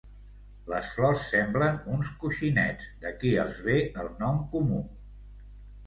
Les flors semblen uns coixinets, d'aquí els ve el nom comú.